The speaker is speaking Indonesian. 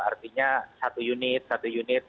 artinya satu unit satu unit